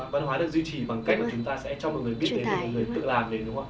văn hóa được duy trì bằng cách mà chúng ta sẽ cho mọi người biết đến cho mọi người tự làm đến đúng không ạ